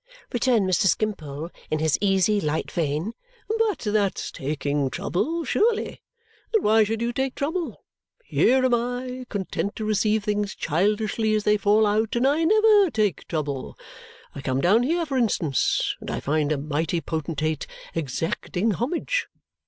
returned Mr. Skimpole in his easy light vein. "But that's taking trouble, surely. And why should you take trouble? Here am I, content to receive things childishly as they fall out, and I never take trouble! I come down here, for instance, and I find a mighty potentate exacting homage.